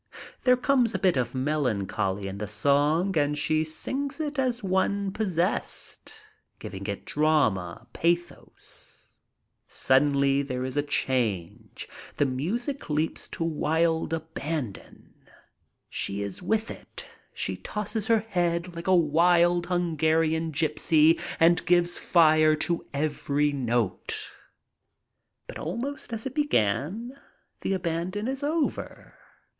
There comes a bit of melancholy in the song and she sings it as one possessed, giving it drama, pathos. Suddenly there is a change. The music leaps to wild aban don. She is with it. She tosses her head like a wild Hun garian gypsy and gives fire to every note. But almost as it began, the abandon is over.